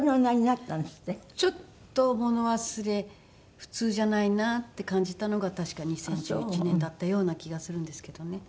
ちょっと物忘れ普通じゃないなって感じたのが確か２０１１年だったような気がするんですけどね。